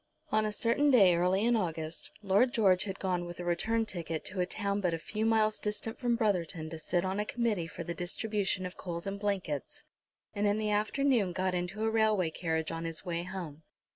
On a certain day early in August Lord George had gone with a return ticket to a town but a few miles distant from Brotherton to sit on a committee for the distribution of coals and blankets, and in the afternoon got into a railway carriage on his way home.